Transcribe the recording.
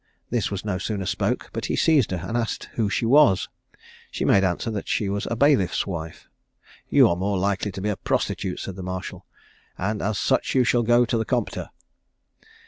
This was no sooner spoke but he seized her, and asked who she was. She made answer that she was a bailiffs wife. 'You are more likely to be a prostitute,' said the marshal, 'and as such you shall go to the Compter.'